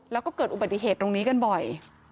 แล้วก็เกิดอุบัติเหตุตรงนี้กันบ่อย